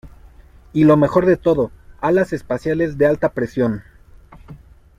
¡ Y lo mejor de todo, alas espaciales de alta presión!